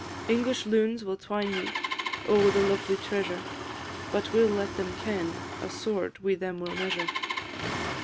English loons will twine ye O' the lovely treasure; But we 'll let them ken A sword wi' them we 'll measure.